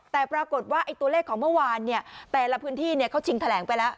แต่ปรากฏว่าตัวเลขของเมื่อวานแต่ละพื้นที่เขาชิงแถลงไปแล้ว